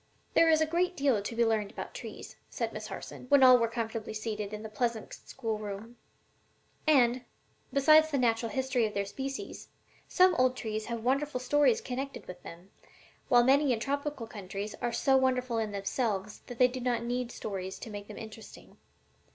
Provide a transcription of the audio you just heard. "There is a great deal to be learned about trees," said Miss Harson, when all were comfortably seated in the pleasant schoolroom; "and, besides the natural history of their species, some old trees have wonderful stories connected with them, while many in tropical countries are so wonderful in themselves that they do not need stories to make them interesting.